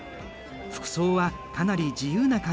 服装はかなり自由な感じだ。